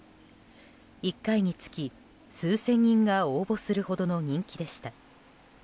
１回につき数千人が応募するほどの人気でした。